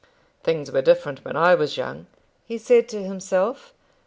"Things were different when I was young," he said to himself.